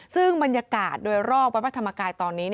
ซึ่งบรรยากาศโดยรอบวัดพระธรรมกายตอนนี้